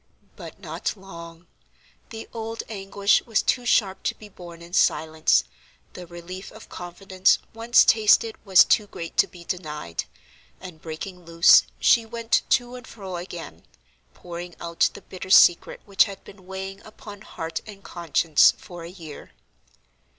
But not long; the old anguish was too sharp to be borne in silence; the relief of confidence once tasted was too great to be denied; and, breaking loose, she went to and fro again, pouring out the bitter secret which had been weighing upon heart and conscience for a year.